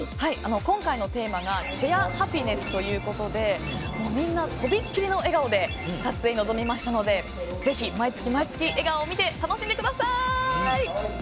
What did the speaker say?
今回のテーマがシェアハピネスということでみんな、飛び切りの笑顔で撮影に臨みましたのでぜひ、毎月毎月笑顔を見て楽しんでください！